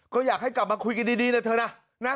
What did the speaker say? ก็อยากให้กลับมาคุยกันดีนะเธอนะ